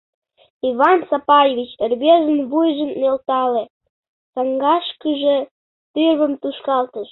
Иван Сапаевич рвезын вуйжым нӧлтале, саҥгашкыже тӱрвым тушкалтыш.